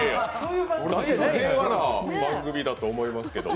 平和な番組だと思いますけど。